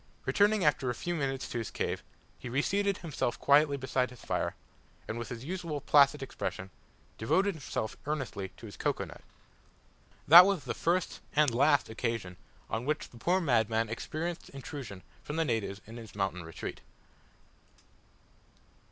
Returning after a few minutes to his cave, he reseated himself quietly beside his fire, and, with his usual placid expression, devoted himself earnestly to his cocoa nut. That was the first and last occasion on which the poor madman experienced intrusion from the natives in his mountain retreat.